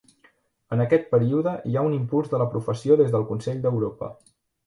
En aquest període hi ha un impuls de la professió des del Consell d'Europa.